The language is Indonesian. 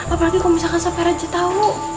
apalagi kok misalkan sampai raja tau